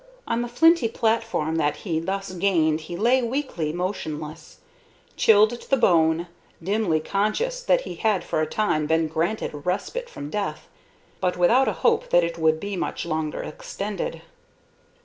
On the flinty platform that he thus gained he lay weakly motionless, chilled to the bone, dimly conscious that he had for a time been granted a respite from death, but without a hope that it would be much longer extended.